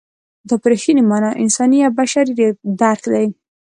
دا په رښتینې مانا انساني او بشري درک دی.